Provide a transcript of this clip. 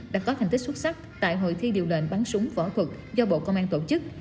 đã có thành tích xuất sắc tại hội thi điều lệnh bắn súng võ thuật do bộ công an tổ chức